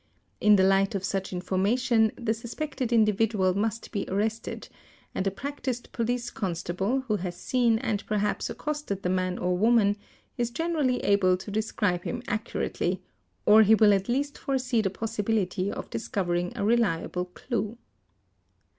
In the light of such in formation the suspected individual must be arrested and a practised police constable, who has seen and perhaps accosted the man or woman, is generally able to describe him accurately; or he will at least foresee the possibility of discovering a reliable clue.